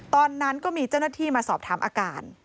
ตอนนั้นก็มีเจ้าหน้าที่มาสอบถามอาการ